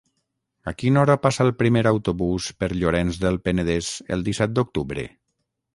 A quina hora passa el primer autobús per Llorenç del Penedès el disset d'octubre?